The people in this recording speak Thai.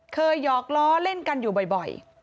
หยอกล้อเล่นกันอยู่บ่อย